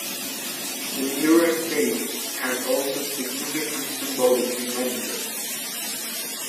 The Mirror Stage has also a significant symbolic dimension.